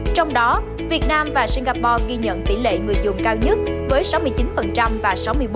trong đó việt nam và singapore ghi nhận tỷ lệ người dùng cao nhất với sáu mươi chín và sáu mươi một